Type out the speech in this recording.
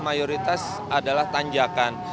mayoritas adalah tanjakan